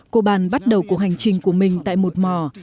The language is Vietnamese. coban bắt đầu cuộc hành trình của mình tại một mò